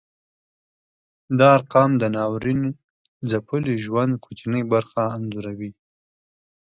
دا ارقام د ناورین ځپلي ژوند کوچنۍ برخه انځوروي.